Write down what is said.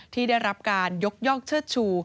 ที่ได้รับการยกย่องเชิดชู